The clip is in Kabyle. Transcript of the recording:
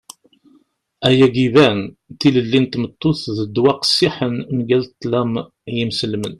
ayagi iban. tilelli n tmeṭṭut d ddwa qqessiḥen mgal ṭṭlam n yinselmen